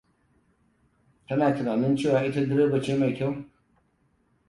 Tana tunanin cewa ita direba ce mai kyau.